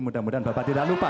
mudah mudahan bapak tidak lupa